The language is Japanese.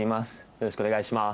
よろしくお願いします。